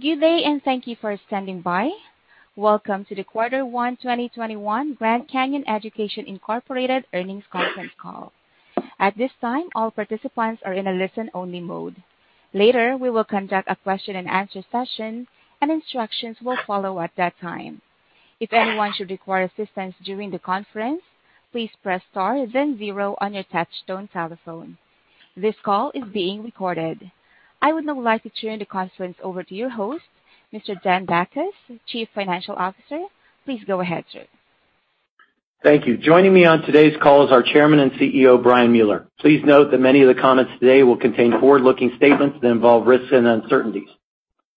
Good day and thank you for standing by. Welcome to the quarter one 2021 Grand Canyon Education, Incorporated earnings conference call. At this time, all participants are in a listen-only mode. Later, we will conduct a question-and-answer session, and instructions will follow at that time. If anyone should require assistance during the conference, please press star then zero on your touchtone telephone. This call is being recorded. I would now like to turn the conference over to your host, Mr. Dan Bachus, Chief Financial Officer. Please go ahead, sir. Thank you. Joining me on today's call is our Chairman and CEO, Brian Mueller. Please note that many of the comments today will contain forward-looking statements that involve risks and uncertainties.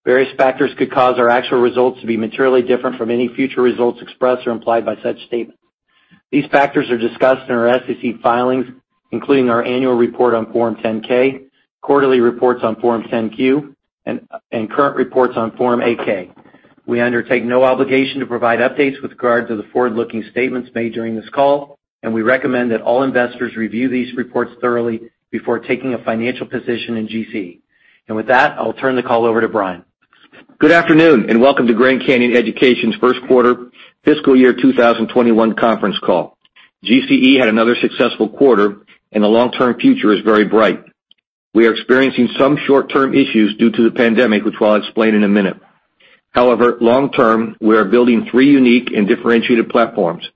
Various factors could cause our actual results to be materially different from any future results expressed or implied by such statements. These factors are discussed in our SEC filings, including our annual report on Form 10-K, quarterly reports on Form 10-Q, and current reports on Form 8-K. We undertake no obligation to provide updates with regard to the forward-looking statements made during this call, and we recommend that all investors review these reports thoroughly before taking a financial position in GCE. With that, I'll turn the call over to Brian. Good afternoon. Welcome to Grand Canyon Education's first quarter fiscal year 2021 conference call. GCE had another successful quarter, and the long-term future is very bright. We are experiencing some short-term issues due to the pandemic, which I'll explain in a minute. However, long term, we are building three unique and differentiated platforms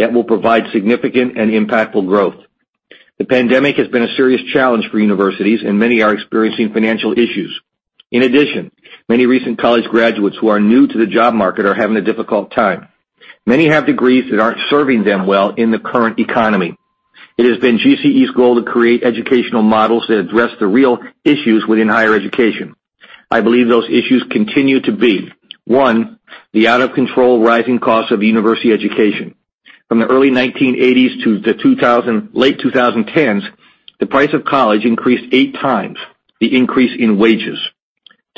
that will provide significant and impactful growth. The pandemic has been a serious challenge for universities, and many are experiencing financial issues. In addition, many recent college graduates who are new to the job market are having a difficult time. Many have degrees that aren't serving them well in the current economy. It has been GCE's goal to create educational models that address the real issues within higher education. I believe those issues continue to be, one, the out-of-control rising costs of university education. From the early 1980s to the late 2010s, the price of college increased eight times the increase in wages.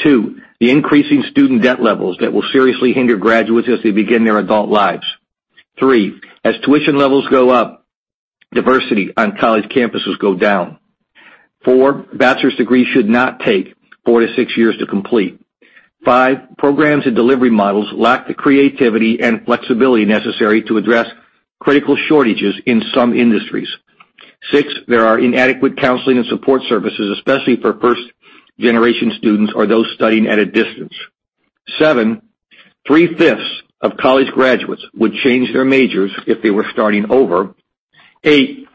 Two, the increasing student debt levels that will seriously hinder graduates as they begin their adult lives. Three, as tuition levels go up, diversity on college campuses go down. Four, bachelor's degrees should not take 4-6 years to complete. Five, programs and delivery models lack the creativity and flexibility necessary to address critical shortages in some industries. Six, there are inadequate counseling and support services, especially for first-generation students or those studying at a distance. Seven, three-fifths of college graduates would change their majors if they were starting over. Eight,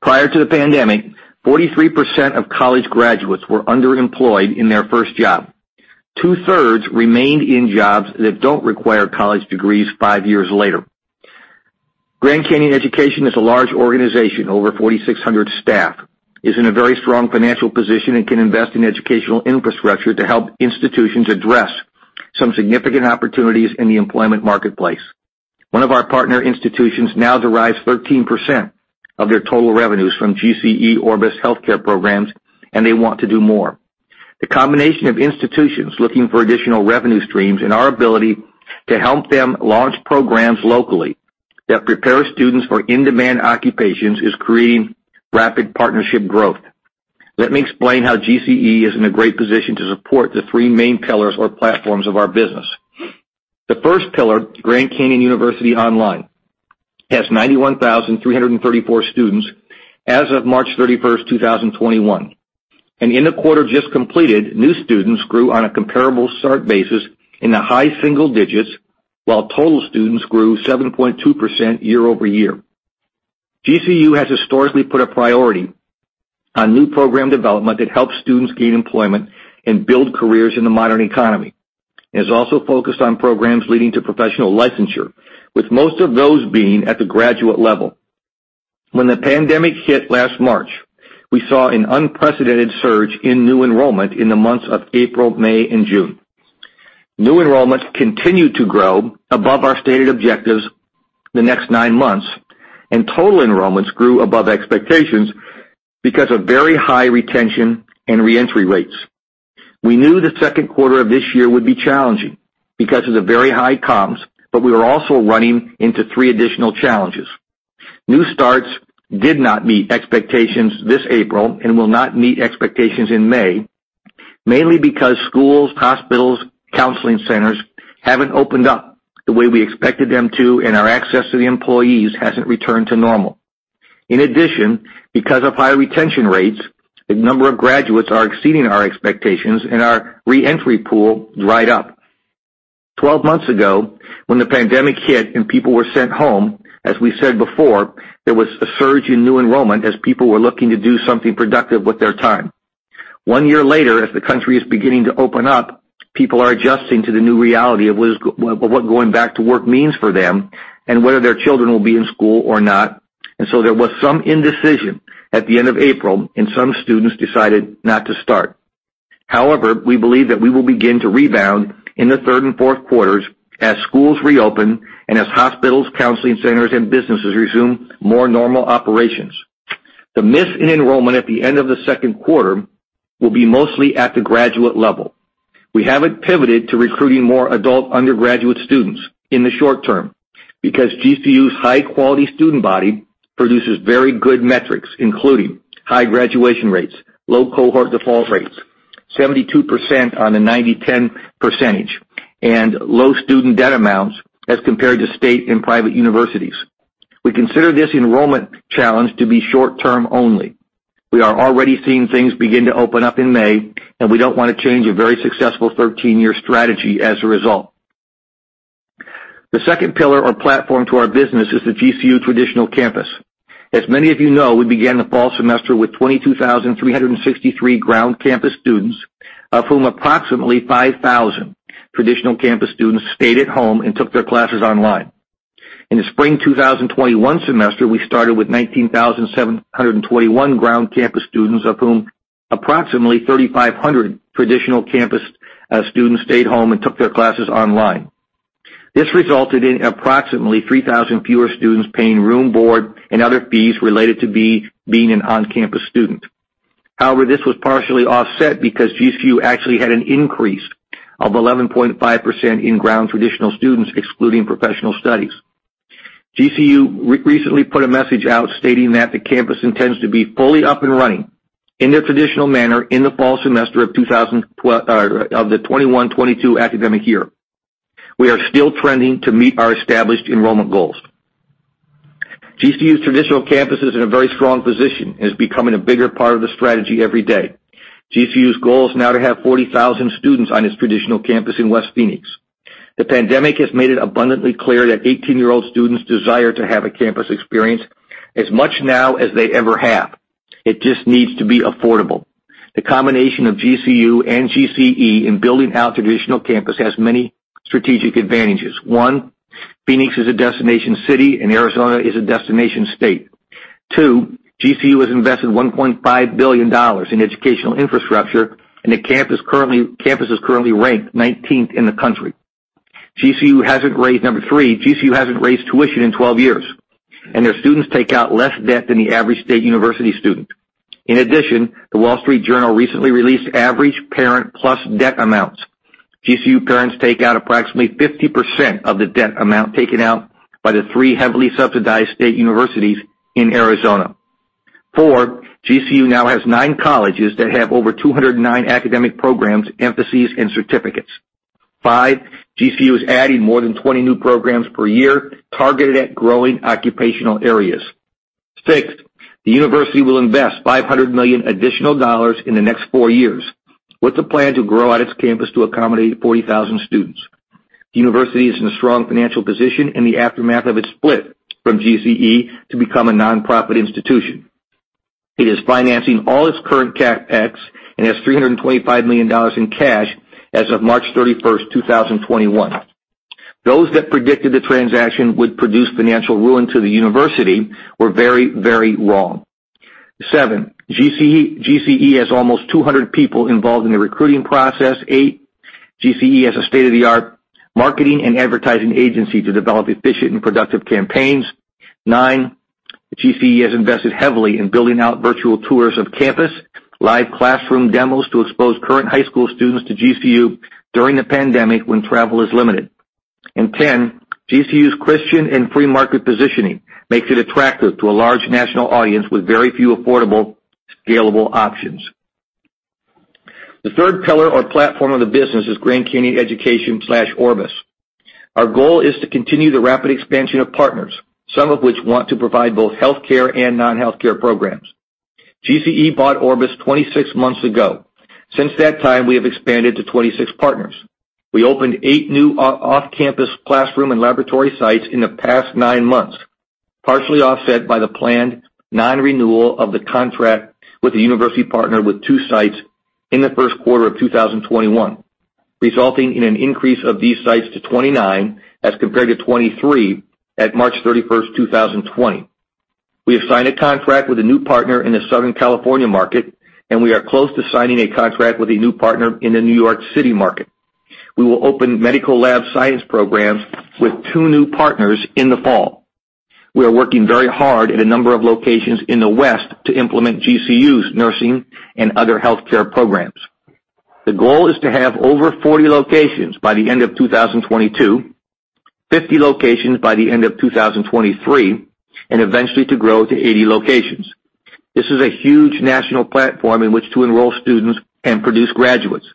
prior to the pandemic, 43% of college graduates were underemployed in their first job. Two-thirds remained in jobs that don't require college degrees five years later. Grand Canyon Education is a large organization, over 4,600 staff, is in a very strong financial position and can invest in educational infrastructure to help institutions address some significant opportunities in the employment marketplace. One of our partner institutions now derives 13% of their total revenues from GCE Orbis healthcare programs. They want to do more. The combination of institutions looking for additional revenue streams and our ability to help them launch programs locally that prepare students for in-demand occupations is creating rapid partnership growth. Let me explain how GCE is in a great position to support the three main pillars or platforms of our business. The first pillar, Grand Canyon University Online, has 91,334 students as of March 31st, 2021. In the quarter just completed, new students grew on a comparable start basis in the high single-digits, while total students grew 7.2% year-over-year. GCU has historically put a priority on new program development that helps students gain employment and build careers in the modern economy, and is also focused on programs leading to professional licensure, with most of those being at the graduate level. When the pandemic hit last March, we saw an unprecedented surge in new enrollment in the months of April, May, and June. New enrollments continued to grow above our stated objectives the next nine months, and total enrollments grew above expectations because of very high retention and re-entry rates. We knew the second quarter of this year would be challenging because of the very high comps, but we were also running into three additional challenges. New starts did not meet expectations this April and will not meet expectations in May, mainly because schools, hospitals, counseling centers haven't opened up the way we expected them to, and our access to the employees hasn't returned to normal. In addition, because of high retention rates, the number of graduates are exceeding our expectations, and our re-entry pool dried up. 12 months ago, when the pandemic hit and people were sent home, as we said before, there was a surge in new enrollment as people were looking to do something productive with their time. One year later, as the country is beginning to open up, people are adjusting to the new reality of what going back to work means for them and whether their children will be in school or not. There was some indecision at the end of April, and some students decided not to start. However, we believe that we will begin to rebound in the third and fourth quarters as schools reopen and as hospitals, counseling centers, and businesses resume more normal operations. The miss in enrollment at the end of the second quarter will be mostly at the graduate level. We haven't pivoted to recruiting more adult undergraduate students in the short term because GCU's high-quality student body produces very good metrics, including high graduation rates, low cohort default rates, 72% on a 90/10 percentage, and low student debt amounts as compared to state and private universities. We consider this enrollment challenge to be short-term only. We are already seeing things begin to open up in May, and we don't want to change a very successful 13-year strategy as a result. The second pillar or platform to our business is the GCU traditional campus. As many of you know, we began the fall semester with 22,363 ground campus students, of whom approximately 5,000 traditional campus students stayed at home and took their classes online. In the spring 2021 semester, we started with 19,721 ground campus students, of whom approximately 3,500 traditional campus students stayed home and took their classes online. This resulted in approximately 3,000 fewer students paying room, board, and other fees related to being an on-campus student. However, this was partially offset because GCU actually had an increase of 11.5% in ground traditional students, excluding professional studies. GCU recently put a message out stating that the campus intends to be fully up and running in their traditional manner in the fall semester of the 2021-2022 academic year. We are still trending to meet our established enrollment goals. GCU's traditional campus is in a very strong position and is becoming a bigger part of the strategy every day. GCU's goal is now to have 40,000 students on its traditional campus in West Phoenix. The pandemic has made it abundantly clear that 18-year-old students desire to have a campus experience as much now as they ever have. It just needs to be affordable. The combination of GCU and GCE in building out traditional campus has many strategic advantages. One, Phoenix is a destination city, and Arizona is a destination state. Two, GCU has invested $1.5 billion in educational infrastructure, and the campus is currently ranked 19th in the country. Number three, GCU hasn't raised tuition in 12 years, and their students take out less debt than the average state university student. In addition, The Wall Street Journal recently released average Parent PLUS debt amounts. GCU parents take out approximately 50% of the debt amount taken out by the three heavily subsidized state universities in Arizona. Four, GCU now has nine colleges that have over 209 academic programs, emphases, and certificates. Five, GCU is adding more than 20 new programs per year targeted at growing occupational areas. Six, the university will invest $500 million additional dollars in the next four years with a plan to grow out its campus to accommodate 40,000 students. The university is in a strong financial position in the aftermath of its split from GCE to become a nonprofit institution. It is financing all its current CapEx and has $325 million in cash as of March 31st, 2021. Those that predicted the transaction would produce financial ruin to the university were very wrong. Seven, GCE has almost 200 people involved in the recruiting process. Eight, GCE has a state-of-the-art marketing and advertising agency to develop efficient and productive campaigns. Nine, GCE has invested heavily in building out virtual tours of campus, live classroom demos to expose current high school students to GCU during the pandemic when travel is limited. 10, GCU's Christian and free market positioning makes it attractive to a large national audience with very few affordable, scalable options. The third pillar or platform of the business is Grand Canyon Education/Orbis. Our goal is to continue the rapid expansion of partners, some of which want to provide both healthcare and non-healthcare programs. GCE bought Orbis 26 months ago. Since that time, we have expanded to 26 partners. We opened eight new off-campus classroom and laboratory sites in the past nine months, partially offset by the planned non-renewal of the contract with a university partner with two sites in the first quarter of 2021, resulting in an increase of these sites to 29 as compared to 23 at March 31st, 2020. We have signed a contract with a new partner in the Southern California market, and we are close to signing a contract with a new partner in the New York City market. We will open medical lab science programs with two new partners in the fall. We are working very hard at a number of locations in the West to implement GCU's nursing and other healthcare programs. The goal is to have over 40 locations by the end of 2022, 50 locations by the end of 2023, and eventually to grow to 80 locations. This is a huge national platform in which to enroll students and produce graduates.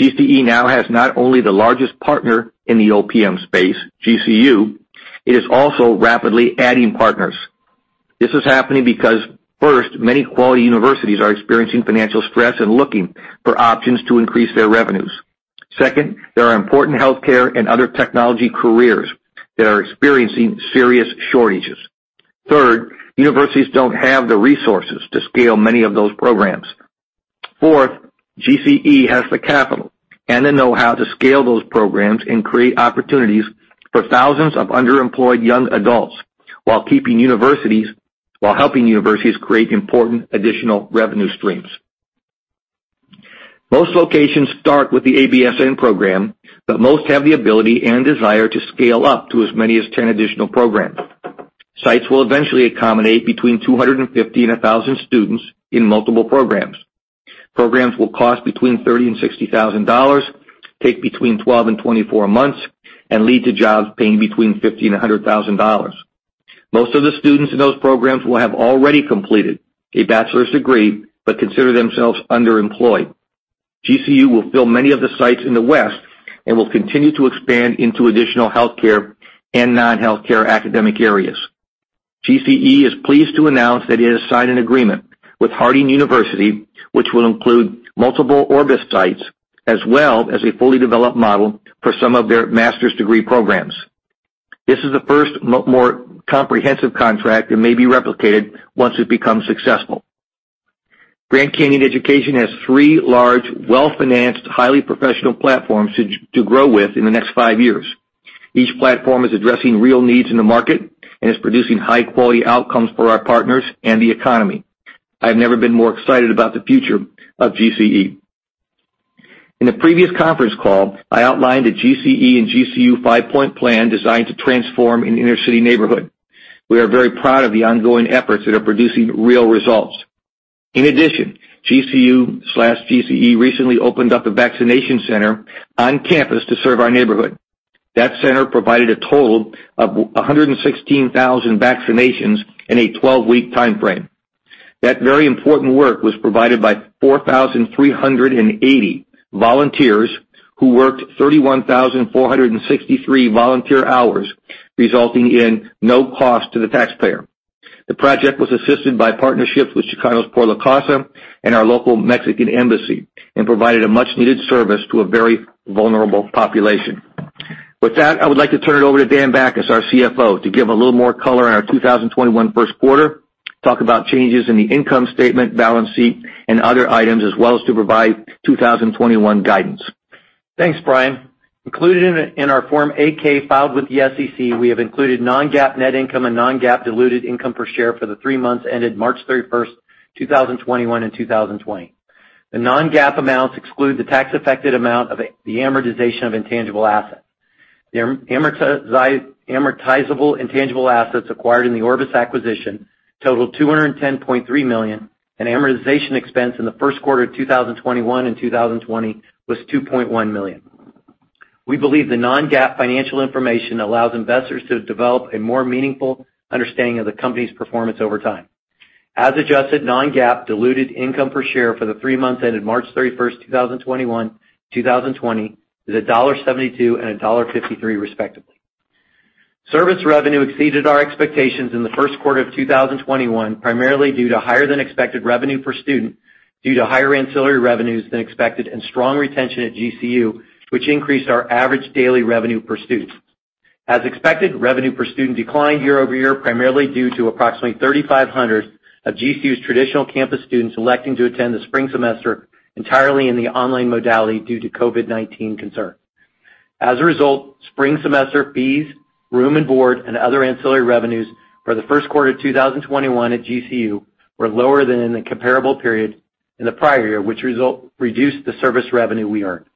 GCE now has not only the largest partner in the OPM space, GCU, it is also rapidly adding partners. This is happening because, first, many quality universities are experiencing financial stress and looking for options to increase their revenues. Second, there are important healthcare and other technology careers that are experiencing serious shortages. Third, universities don't have the resources to scale many of those programs. Fourth, GCE has the capital and the know-how to scale those programs and create opportunities for thousands of underemployed young adults while helping universities create important additional revenue streams. Most locations start with the ABSN program, most have the ability and desire to scale up to as many as 10 additional programs. Sites will eventually accommodate between 250 and 1,000 students in multiple programs. Programs will cost between $30,000 and $60,000, take between 12 and 24 months, and lead to jobs paying between $50,000 and $100,000. Most of the students in those programs will have already completed a bachelor's degree but consider themselves underemployed. GCU will fill many of the sites in the West and will continue to expand into additional healthcare and non-healthcare academic areas. GCE is pleased to announce that it has signed an agreement with Harding University, which will include multiple Orbis sites, as well as a fully developed model for some of their master's degree programs. This is the first more comprehensive contract and may be replicated once it becomes successful. Grand Canyon Education has three large, well-financed, highly professional platforms to grow with in the next five years. Each platform is addressing real needs in the market and is producing high-quality outcomes for our partners and the economy. I've never been more excited about the future of GCE. In the previous conference call, I outlined a GCE and GCU five-point plan designed to transform an inner-city neighborhood. We are very proud of the ongoing efforts that are producing real results. In addition, GCU/GCE recently opened up a vaccination center on campus to serve our neighborhood. That center provided a total of 116,000 vaccinations in a 12-week timeframe. That very important work was provided by 4,380 volunteers who worked 31,463 volunteer hours, resulting in no cost to the taxpayer. The project was assisted by partnerships with Chicanos Por La Causa and our local Mexican embassy, and provided a much-needed service to a very vulnerable population. With that, I would like to turn it over to Dan Bachus, our CFO, to give a little more color on our 2021 first quarter, talk about changes in the income statement, balance sheet, and other items, as well as to provide 2021 guidance. Thanks, Brian. Included in our Form 8-K filed with the SEC, we have included non-GAAP net income and non-GAAP diluted income per share for the three months ended March 31st, 2021 and 2020. The non-GAAP amounts exclude the tax-affected amount of the amortization of intangible assets. The amortizable intangible assets acquired in the Orbis acquisition totaled $210.3 million, and amortization expense in the first quarter of 2021 and 2020 was $2.1 million. We believe the non-GAAP financial information allows investors to develop a more meaningful understanding of the company's performance over time. As adjusted, non-GAAP diluted income per share for the three months ended March 31st, 2021, 2020 is $1.72 and $1.53, respectively. Service revenue exceeded our expectations in the first quarter of 2021, primarily due to higher than expected revenue per student due to higher ancillary revenues than expected and strong retention at GCU, which increased our average daily revenue per student. As expected, revenue per student declined year-over-year, primarily due to approximately 3,500 of GCU's traditional campus students electing to attend the spring semester entirely in the online modality due to COVID-19 concerns. As a result, spring semester fees, room and board, and other ancillary revenues for the first quarter of 2021 at GCU were lower than in the comparable period in the prior year, which reduced the service revenue we earned.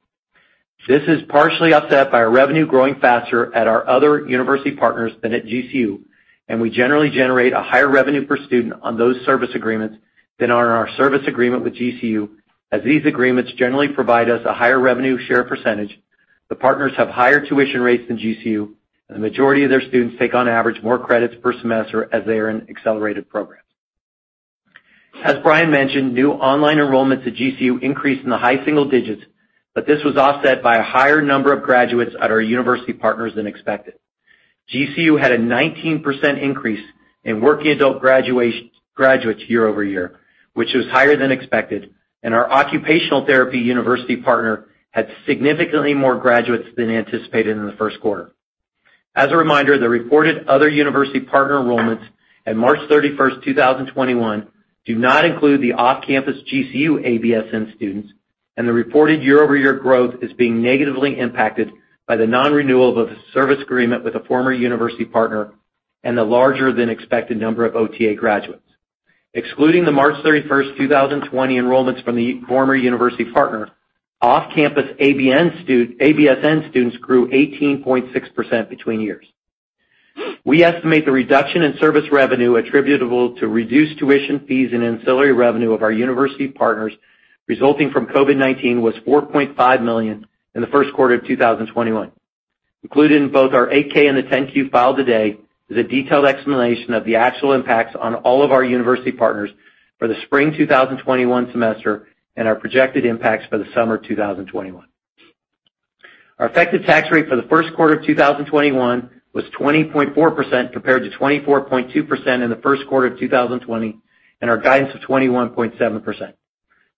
This is partially offset by our revenue growing faster at our other university partners than at GCU, and we generally generate a higher revenue per student on those service agreements than on our service agreement with GCU, as these agreements generally provide us a higher revenue share percentage. The partners have higher tuition rates than GCU, and the majority of their students take on average more credits per semester as they are in accelerated programs. As Brian mentioned, new online enrollments at GCU increased in the high single-digits, but this was offset by a higher number of graduates at our university partners than expected. GCU had a 19% increase in working adult graduates year-over-year, which was higher than expected, and our occupational therapy university partner had significantly more graduates than anticipated in the first quarter. As a reminder, the reported other university partner enrollments at March 31st, 2021, do not include the off-campus GCU ABSN students, and the reported year-over-year growth is being negatively impacted by the non-renewal of a service agreement with a former university partner and the larger than expected number of OTA graduates. Excluding the March 31st, 2020 enrollments from the former university partner, off-campus ABSN students grew 18.6% between years. We estimate the reduction in service revenue attributable to reduced tuition fees and ancillary revenue of our university partners resulting from COVID-19 was $4.5 million in the first quarter of 2021. Included in both our 8-K and the 10-Q filed today is a detailed explanation of the actual impacts on all of our university partners for the Spring 2021 semester and our projected impacts for the Summer 2021. Our effective tax rate for the first quarter of 2021 was 20.4% compared to 24.2% in the first quarter of 2020 and our guidance of 21.7%.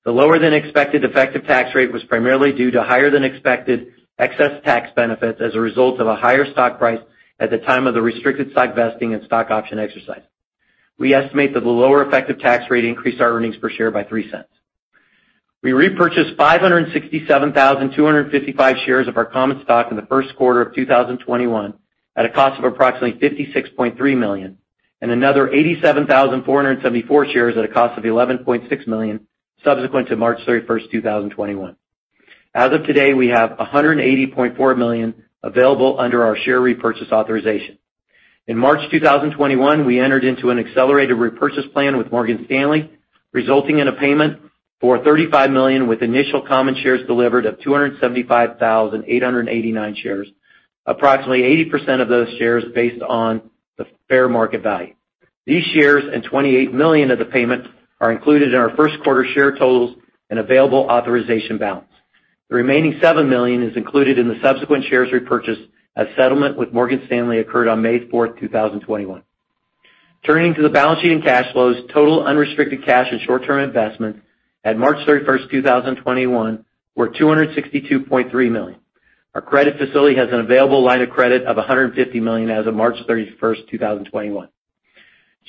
The lower than expected effective tax rate was primarily due to higher than expected excess tax benefits as a result of a higher stock price at the time of the restricted stock vesting and stock option exercise. We estimate that the lower effective tax rate increased our earnings per share by $0.03. We repurchased 567,255 shares of our common stock in the first quarter of 2021 at a cost of approximately $56.3 million and another 87,474 shares at a cost of $11.6 million subsequent to March 31st, 2021. As of today, we have $180.4 million available under our share repurchase authorization. In March 2021, we entered into an accelerated repurchase plan with Morgan Stanley, resulting in a payment for $35 million with initial common shares delivered of 275,889 shares, approximately 80% of those shares based on the fair market value. These shares and $28 million of the payments are included in our first quarter share totals and available authorization balance. The remaining $7 million is included in the subsequent shares repurchase as settlement with Morgan Stanley occurred on May 4th, 2021. Turning to the balance sheet and cash flows, total unrestricted cash and short-term investments at March 31st, 2021, were $262.3 million. Our credit facility has an available line of credit of $150 million as of March 31st, 2021.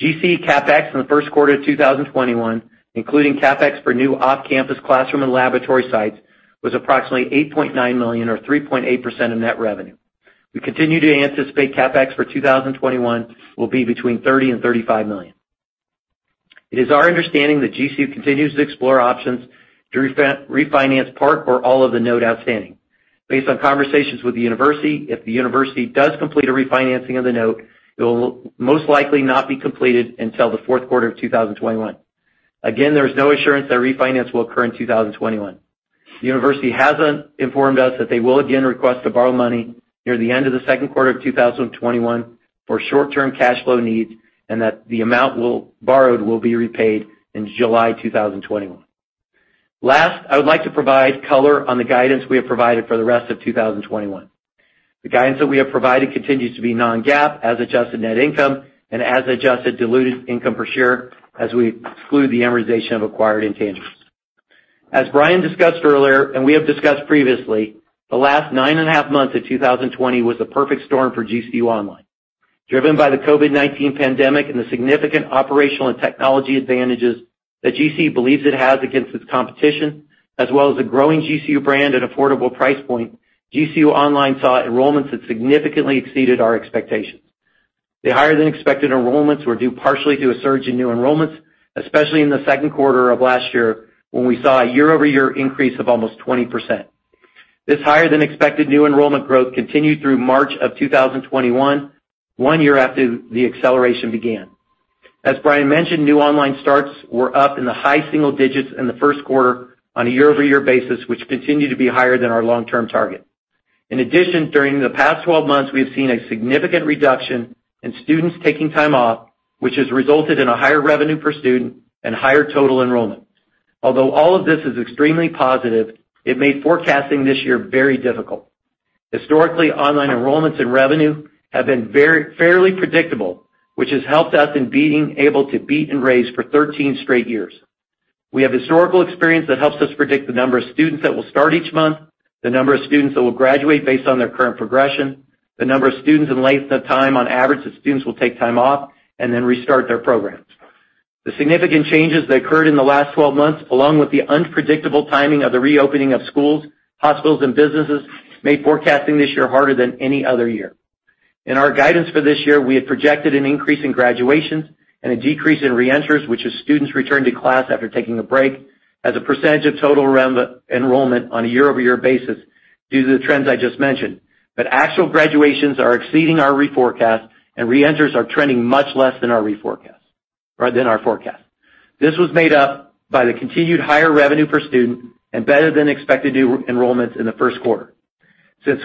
GCE CapEx in the first quarter of 2021, including CapEx for new off-campus classroom and laboratory sites, was approximately $8.9 million or 3.8% of net revenue. We continue to anticipate CapEx for 2021 will be between $30 million and $35 million. It is our understanding that GCU continues to explore options to refinance part or all of the note outstanding. Based on conversations with the university, if the university does complete a refinancing of the note, it will most likely not be completed until the fourth quarter of 2021. Again, there is no assurance that refinance will occur in 2021. The university has informed us that they will again request to borrow money near the end of the second quarter of 2021 for short-term cash flow needs, and that the amount borrowed will be repaid in July 2021. Last, I would like to provide color on the guidance we have provided for the rest of 2021. The guidance that we have provided continues to be non-GAAP as adjusted net income and as adjusted diluted income per share as we exclude the amortization of acquired intangibles. As Brian discussed earlier, and we have discussed previously, the last 9.5 months of 2020 was a perfect storm for GCU Online. Driven by the COVID-19 pandemic and the significant operational and technology advantages that GCU believes it has against its competition, as well as a growing GCU brand at affordable price point, GCU Online saw enrollments that significantly exceeded our expectations. The higher than expected enrollments were due partially to a surge in new enrollments, especially in the second quarter of last year, when we saw a year-over-year increase of almost 20%. This higher than expected new enrollment growth continued through March of 2021, one year after the acceleration began. As Brian mentioned, new online starts were up in the high single-digits in the first quarter on a year-over-year basis, which continued to be higher than our long-term target. In addition, during the past 12 months, we have seen a significant reduction in students taking time off, which has resulted in a higher revenue per student and higher total enrollment. Although all of this is extremely positive, it made forecasting this year very difficult. Historically, online enrollments and revenue have been fairly predictable, which has helped us in being able to beat and raise for 13 straight years. We have historical experience that helps us predict the number of students that will start each month, the number of students that will graduate based on their current progression, the number of students and length of time on average that students will take time off and then restart their programs. The significant changes that occurred in the last 12 months, along with the unpredictable timing of the reopening of schools, hospitals, and businesses, made forecasting this year harder than any other year. In our guidance for this year, we had projected an increase in graduations and a decrease in re-enters, which is students return to class after taking a break, as a percentage of total enrollment on a year-over-year basis due to the trends I just mentioned. Actual graduations are exceeding our reforecast, and re-enters are trending much less than our forecast. This was made up by the continued higher revenue per student and better than expected new enrollments in the first quarter. Since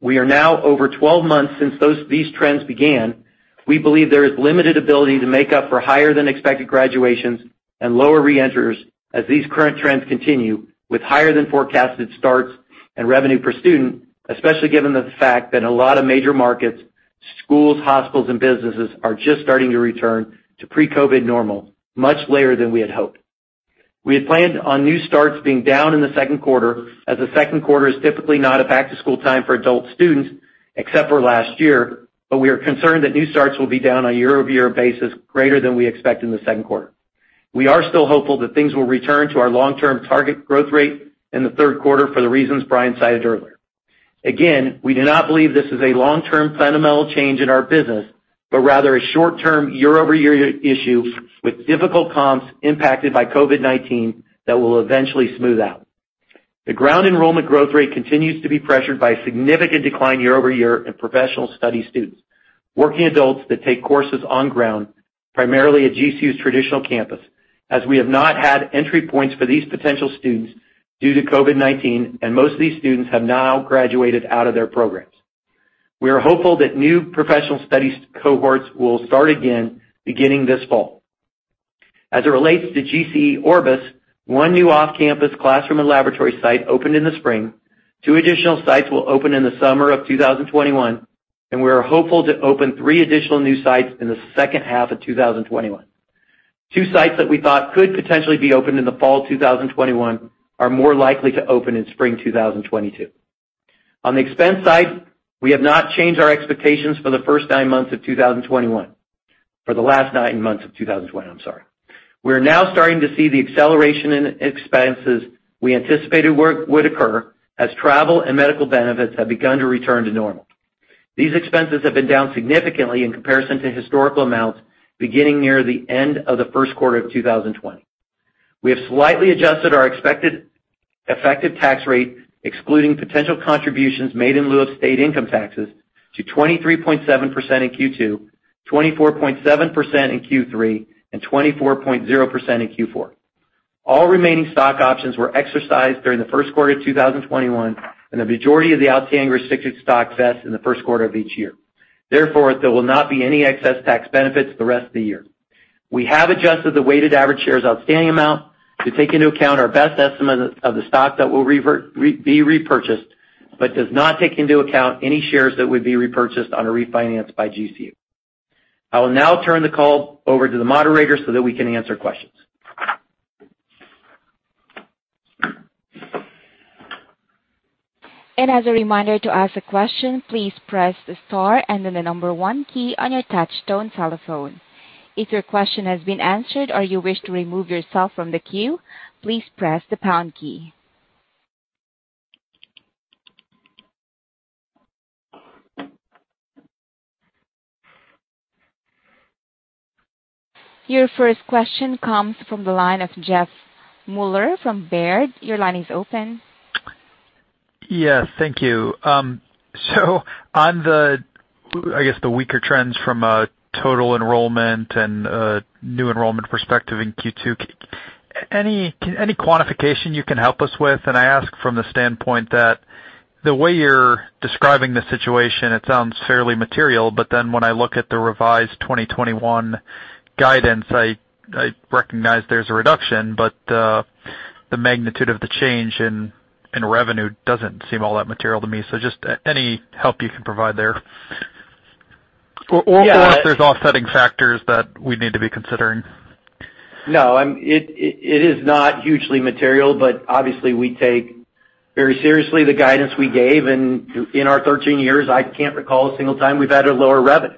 we are now over 12 months since these trends began, we believe there is limited ability to make up for higher than expected graduations and lower re-enters as these current trends continue with higher than forecasted starts and revenue per student, especially given the fact that a lot of major markets, schools, hospitals, and businesses are just starting to return to pre-COVID-19 normal much later than we had hoped. We had planned on new starts being down in the second quarter, as the second quarter is typically not a back-to-school time for adult students, except for last year, but we are concerned that new starts will be down on a year-over-year basis greater than we expect in the second quarter. We are still hopeful that things will return to our long-term target growth rate in the third quarter for the reasons Brian cited earlier. Again, we do not believe this is a long-term fundamental change in our business, but rather a short-term year-over-year issue with difficult comps impacted by COVID-19 that will eventually smooth out. The ground enrollment growth rate continues to be pressured by a significant decline year-over-year in professional studies students, working adults that take courses on ground, primarily at GCU's traditional campus, as we have not had entry points for these potential students due to COVID-19, and most of these students have now graduated out of their programs. We are hopeful that new professional studies cohorts will start again, beginning this fall. As it relates to GCU Orbis, one new off-campus classroom and laboratory site opened in the spring, two additional sites will open in the summer of 2021, and we are hopeful to open three additional new sites in the second half of 2021. Two sites that we thought could potentially be opened in the fall 2021 are more likely to open in spring 2022. On the expense side, we have not changed our expectations for the first nine months of 2021. For the last nine months of 2021, I'm sorry. We are now starting to see the acceleration in expenses we anticipated would occur as travel and medical benefits have begun to return to normal. These expenses have been down significantly in comparison to historical amounts beginning near the end of the first quarter of 2020. We have slightly adjusted our expected effective tax rate, excluding potential contributions made in lieu of state income taxes, to 23.7% in Q2, 24.7% in Q3, and 24.0% in Q4. All remaining stock options were exercised during the first quarter of 2021, and the majority of the outstanding restricted stock vests in the first quarter of each year. Therefore, there will not be any excess tax benefits the rest of the year. We have adjusted the weighted average shares outstanding amount to take into account our best estimate of the stock that will be repurchased, but does not take into account any shares that would be repurchased on a refinance by GCU. I will now turn the call over to the moderator so that we can answer questions. As a reminder, to ask a question, please press the star and then the number one key on your touch-tone telephone. If your question has been answered or you wish to remove yourself from the queue, please press the pound key. Your first question comes from the line of Jeff Meuler from Baird. Your line is open. Yes, thank you. On the, I guess, the weaker trends from a total enrollment and new enrollment perspective in Q2, any quantification you can help us with? I ask from the standpoint that the way you're describing the situation, it sounds fairly material, but then when I look at the revised 2021 guidance, I recognize there's a reduction, but the magnitude of the change in revenue doesn't seem all that material to me. Just any help you can provide there. If there's offsetting factors that we need to be considering. No, it is not hugely material, but obviously we take very seriously the guidance we gave. In our 13 years, I can't recall a single time we've had a lower revenue.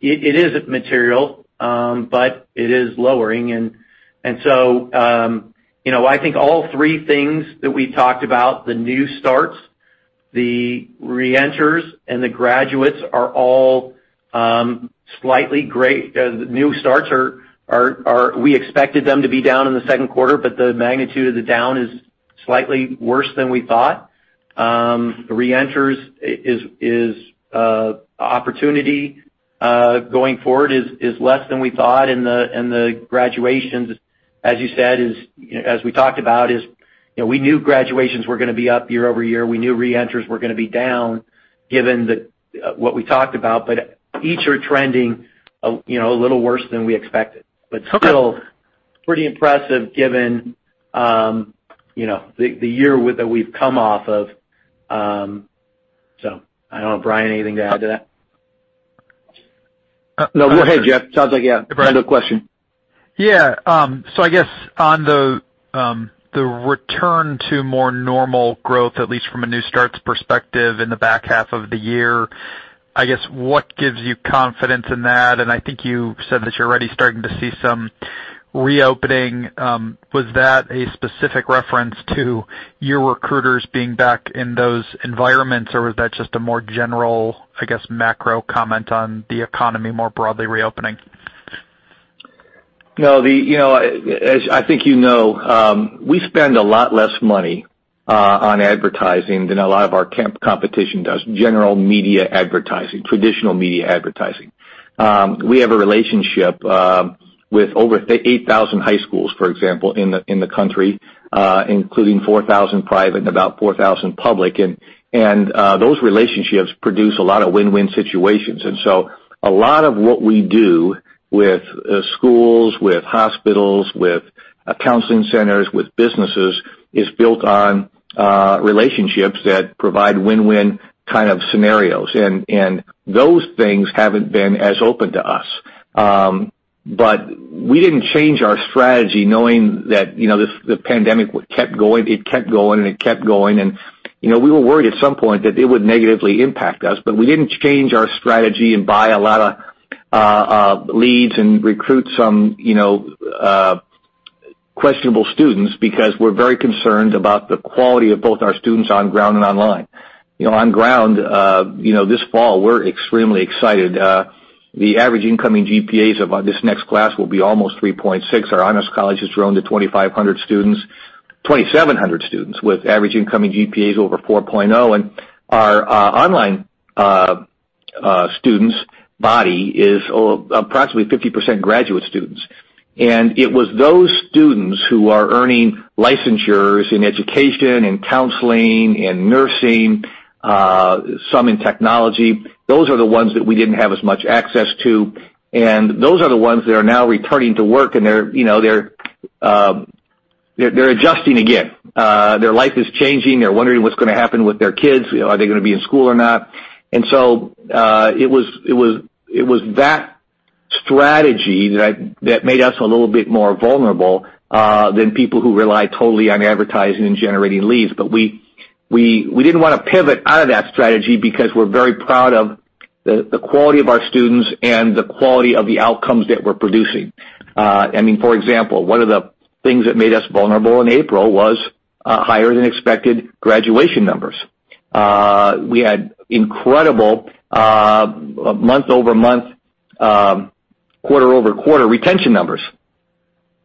It is material, but it is lowering. I think all three things that we talked about, the new starts, the re-enters, and the graduates are all slightly late. We expected them to be down in the second quarter, but the magnitude of the down is slightly worse than we thought. The re-enters is opportunity, going forward is less than we thought. The graduations, as you said, as we talked about is, we knew graduations were going to be up year-over-year. We knew re-enters were going to be down given what we talked about. Each are trending a little worse than we expected. Still pretty impressive given the year that we've come off of. I don't know, Brian, anything to add to that? No, go ahead, Jeff. Sounds like you have another question. Yeah. I guess on the return to more normal growth, at least from a new starts perspective in the back half of the year, I guess, what gives you confidence in that? I think you said that you're already starting to see some reopening. Was that a specific reference to your recruiters being back in those environments, or was that just a more general, I guess, macro comment on the economy more broadly reopening? No, as I think you know, we spend a lot less money on advertising than a lot of our competition does, general media advertising, traditional media advertising. We have a relationship with over 8,000 high schools, for example, in the country, including 4,000 private and about 4,000 public. Those relationships produce a lot of win-win situations. A lot of what we do with schools, with hospitals, with counseling centers, with businesses, is built on relationships that provide win-win kind of scenarios. Those things haven't been as open to us. We didn't change our strategy knowing that the pandemic kept going and it kept going. We were worried at some point that it would negatively impact us, but we didn't change our strategy and buy a lot of leads and recruit some questionable students because we're very concerned about the quality of both our students on ground and online. On ground, this fall, we're extremely excited. The average incoming GPAs of this next class will be almost 3.6. Our honors college has grown to 2,500 students, 2,700 students with average incoming GPAs over 4.0. Our online students body is approximately 50% graduate students. It was those students who are earning licensures in education, in counseling, in nursing, some in technology. Those are the ones that we didn't have as much access to, and those are the ones that are now returning to work, and they're adjusting again. Their life is changing. They're wondering what's going to happen with their kids. Are they going to be in school or not? It was that strategy that made us a little bit more vulnerable than people who rely totally on advertising and generating leads. We didn't want to pivot out of that strategy because we're very proud of the quality of our students and the quality of the outcomes that we're producing. For example, one of the things that made us vulnerable in April was higher than expected graduation numbers. We had incredible month-over-month, quarter-over-quarter retention numbers.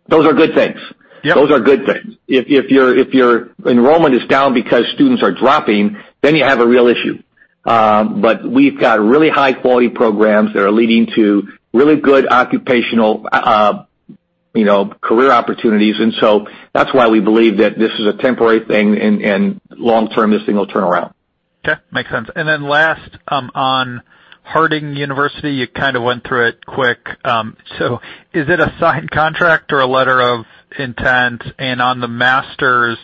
Those are good things. Yep. Those are good things. If your enrollment is down because students are dropping, then you have a real issue. We've got really high-quality programs that are leading to really good occupational career opportunities. That's why we believe that this is a temporary thing and long term, this thing will turn around. Okay, makes sense. Last on Harding University, you kind of went through it quick. Is it a signed contract or a letter of intent? On the master's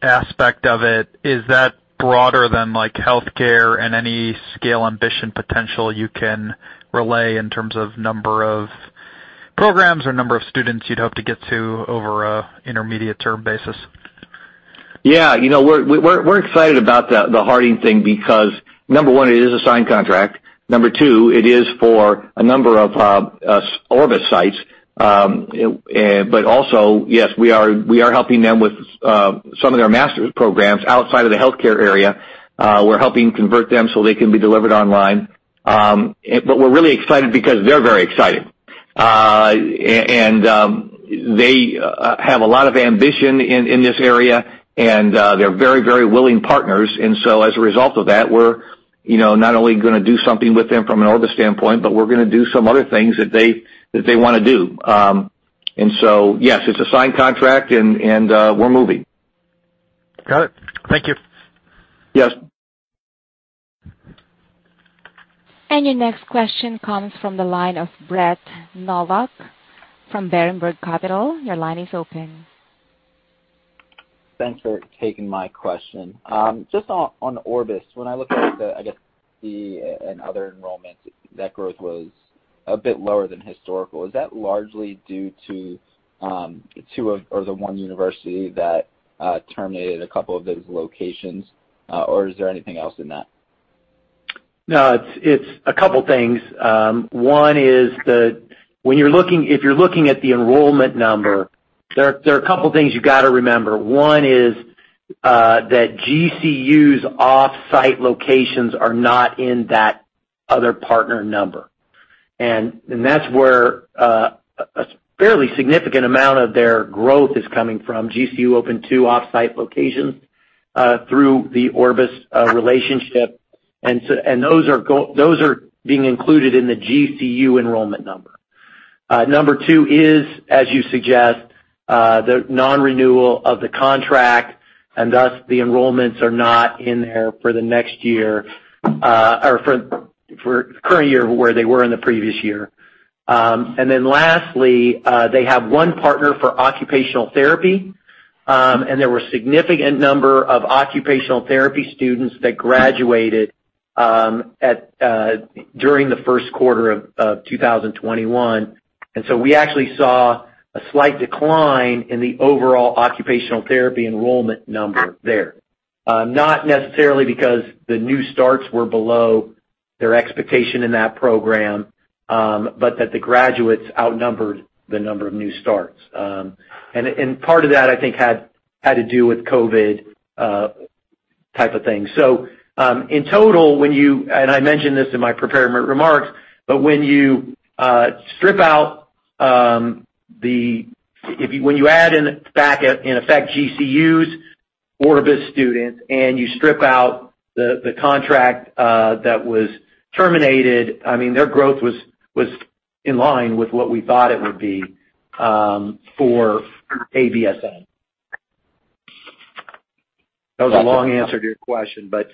aspect of it, is that broader than like healthcare and any scale, ambition, potential you can relay in terms of number of programs or number of students you'd hope to get to over a intermediate term basis? We're excited about the Harding thing because number one, it is a signed contract. Number two, it is for a number of Orbis sites. Also, yes, we are helping them with some of their master's programs outside of the healthcare area. We're helping convert them so they can be delivered online. We're really excited because they're very exciting. They have a lot of ambition in this area, and they're very willing partners. As a result of that, we're not only gonna do something with them from an Orbis standpoint, but we're gonna do some other things that they want to do. Yes, it's a signed contract, and we're moving. Got it. Thank you. Yes. Your next question comes from the line of Brett Knoblauch from Berenberg Capital. Your line is open. Thanks for taking my question. Just on Orbis, when I look at the, I guess, the and other enrollments, that growth was a bit lower than historical. Is that largely due to two or the one university that terminated a couple of those locations? Is there anything else in that? It's a couple things. One is, if you're looking at the enrollment number, there are a couple things you got to remember. One is that GCU's off-site locations are not in that other partner number. That's where a fairly significant amount of their growth is coming from. GCU opened two off-site locations through the Orbis relationship. Those are being included in the GCU enrollment number. Number 2 is, as you suggest, the non-renewal of the contract, thus the enrollments are not in there for the next year or for current year where they were in the previous year. Lastly, they have one partner for occupational therapy, there were significant number of occupational therapy students that graduated during the first quarter of 2021. We actually saw a slight decline in the overall occupational therapy enrollment number there. Not necessarily because the new starts were below their expectation in that program, but that the graduates outnumbered the number of new starts. Part of that, I think, had to do with COVID-19 type of thing. In total, I mentioned this in my prepared remarks, but when you add back in effect GCU's Orbis students and you strip out the contract that was terminated, their growth was in line with what we thought it would be for ABSN. That was a long answer to your question, but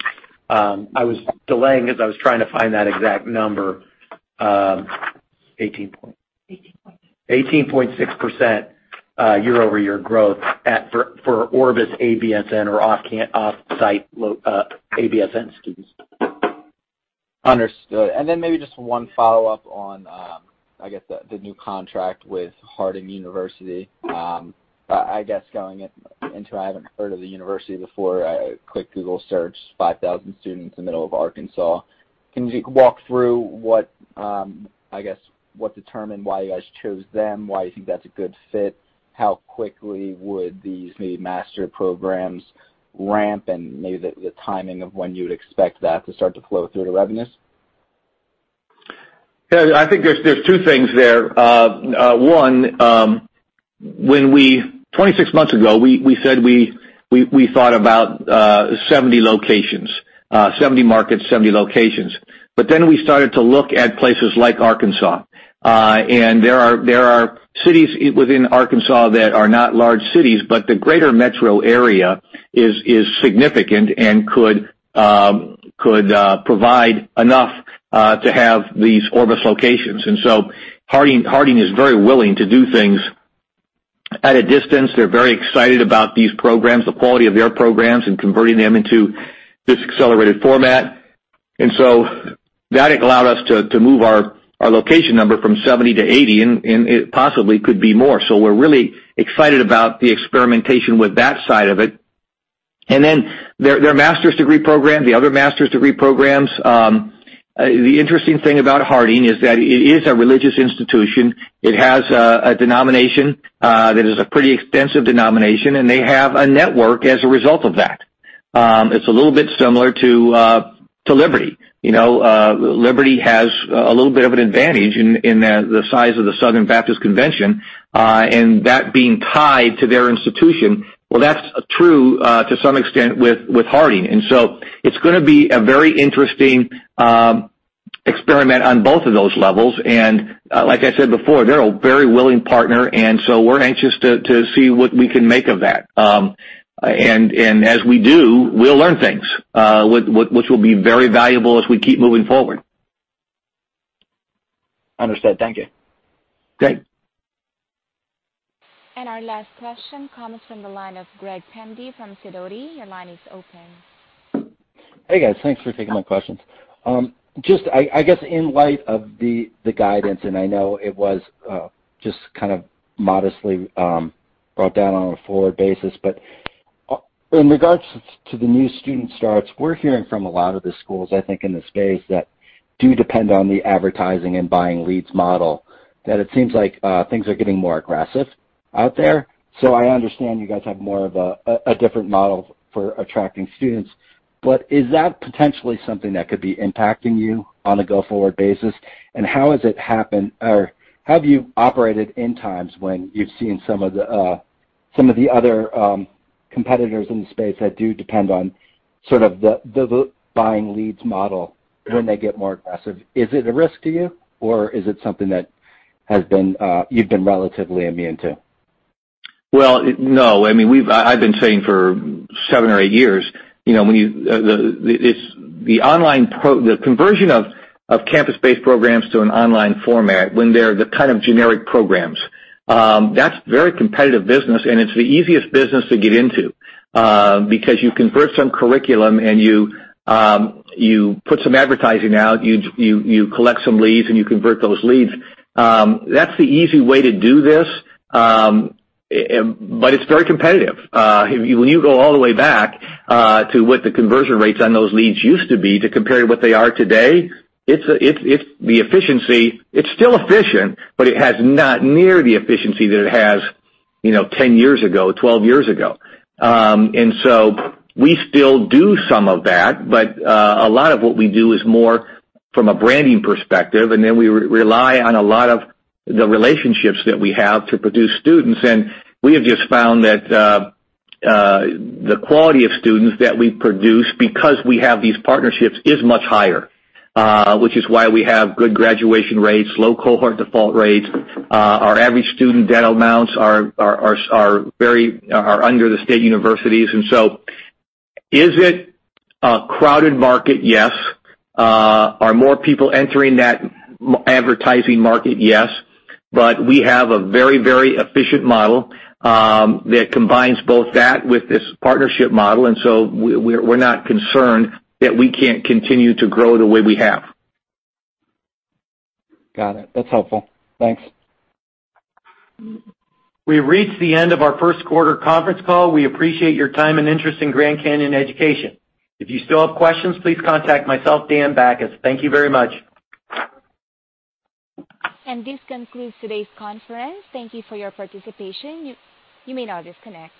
I was delaying because I was trying to find that exact number. 18.6%. 18.6% year-over-year growth for Orbis ABSN or offsite ABSN students. Understood. Then maybe just one follow-up on, I guess, the new contract with Harding University. I guess going into, I haven't heard of the university before. A quick Google search, 5,000 students in the middle of Arkansas. Can you walk through what determined why you guys chose them, why you think that's a good fit? How quickly would these maybe master programs ramp and maybe the timing of when you would expect that to start to flow through to revenues? Yeah. I think there's two things there. One, 26 months ago, we said we thought about 70 locations, 70 markets, 70 locations. We started to look at places like Arkansas. There are cities within Arkansas that are not large cities, but the greater metro area is significant and could provide enough to have these Orbis locations. Harding is very willing to do things at a distance. They're very excited about these programs, the quality of their programs, and converting them into this accelerated format. That allowed us to move our location number from 70 to 80, and it possibly could be more. We're really excited about the experimentation with that side of it. Their master's degree program, the other master's degree programs. The interesting thing about Harding is that it is a religious institution. It has a denomination that is a pretty extensive denomination, and they have a network as a result of that. It's a little bit similar to Liberty. Liberty has a little bit of an advantage in the size of the Southern Baptist Convention, and that being tied to their institution. Well, that's true to some extent with Harding, and so it's going to be a very interesting experiment on both of those levels, and like I said before, they're a very willing partner, and so we're anxious to see what we can make of that. As we do, we'll learn things, which will be very valuable as we keep moving forward. Understood. Thank you. Great. Our last question comes from the line of Greg Pendy from Sidoti. Your line is open. Hey, guys. Thanks for taking my questions. I guess in light of the guidance, and I know it was just kind of modestly brought down on a forward basis, but in regards to the new student starts, we're hearing from a lot of the schools, I think, in the space that do depend on the advertising and buying leads model, that it seems like things are getting more aggressive out there. I understand you guys have more of a different model for attracting students, but is that potentially something that could be impacting you on a go-forward basis? How has it happened, or how have you operated in times when you've seen some of the other competitors in the space that do depend on sort of the buying leads model when they get more aggressive? Is it a risk to you, or is it something that you've been relatively immune to? Well, no. I've been saying for seven or eight years, the conversion of campus-based programs to an online format when they're the kind of generic programs, that's very competitive business, and it's the easiest business to get into, because you convert some curriculum, and you put some advertising out, you collect some leads, and you convert those leads. That's the easy way to do this, but it's very competitive. When you go all the way back to what the conversion rates on those leads used to be to compare to what they are today, it's still efficient, but it has not near the efficiency that it had 10 years ago, 12 years ago. We still do some of that, but a lot of what we do is more from a branding perspective, and then we rely on a lot of the relationships that we have to produce students. We have just found that the quality of students that we produce, because we have these partnerships, is much higher, which is why we have good graduation rates, low cohort default rates. Our average student debt amounts are under the state universities. Is it a crowded market? Yes. Are more people entering that advertising market? Yes. We have a very efficient model that combines both that with this partnership model, and so we're not concerned that we can't continue to grow the way we have. Got it. That's helpful. Thanks. We've reached the end of our first quarter conference call. We appreciate your time and interest in Grand Canyon Education. If you still have questions, please contact myself, Dan Bachus. Thank you very much. This concludes today's conference. Thank you for your participation. You may now disconnect.